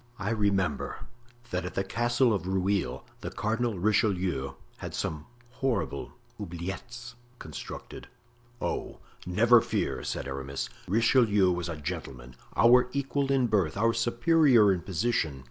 "I remember that at the Castle of Rueil the Cardinal Richelieu had some horrible 'oubliettes' constructed." "Oh! never fear," said Aramis. "Richelieu was a gentleman, our equal in birth, our superior in position.